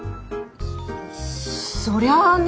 そそりゃあね。